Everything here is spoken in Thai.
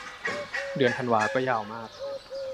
เดือนธันวาก็ยาวมาก